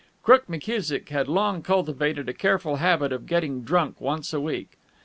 Crook McKusick had long cultivated a careful habit of getting drunk once a week.